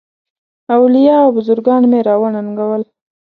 اولیاء او بزرګان مي را وننګول.